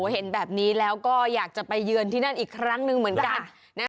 เห็นแบบนี้แล้วก็อยากจะไปเยือนที่นั่นอีกครั้งหนึ่งเหมือนกัน